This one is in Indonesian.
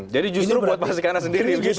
jadi justru buat masyarakat sendiri